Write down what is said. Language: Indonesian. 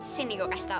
sini gue kasih tau